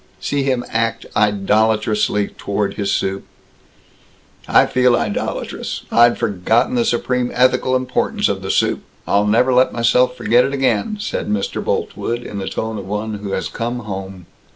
See him act idolatrously toward his soup." "I feel idolatrous. I'd forgotten the supreme ethical importance of the soup. I'll never let myself forget it again," said Mr. Boltwood, in the tone of one who has come home.